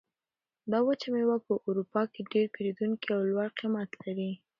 دا وچه مېوه په اروپا کې ډېر پېرودونکي او لوړ قیمت لري.